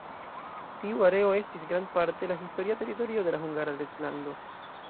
Tiu areo estis grandparte la historia teritorio de la Hungara Reĝlando.